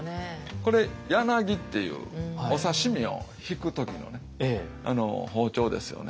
これ柳っていうお刺身をひく時の包丁ですよね。